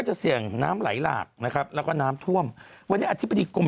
จะเสี่ยงน้ำไหลหลากนะครับแล้วก็น้ำท่วมวันนี้อธิบดีกรม